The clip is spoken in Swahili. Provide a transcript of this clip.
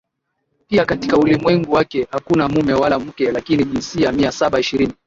Pia katika ulimwengu wake hakuna mume wala mke lakini jinsia Mia Saba ishirini